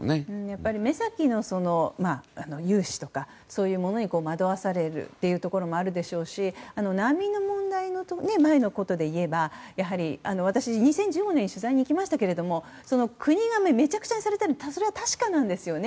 目先の融資とかそういうものに惑わされることもあるでしょうし難民の問題の前のことで言えばやはり私は２０１５年に取材に行きましたけど国がめちゃくちゃにされてるのは確かなんですよね。